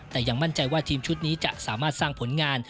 แต่ยังมั่นใจว่าทีมชุดนี้จะสามารถสร้างผลงาน